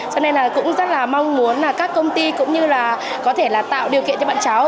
cho nên là cũng rất là mong muốn là các công ty cũng như là có thể là tạo điều kiện cho bạn cháu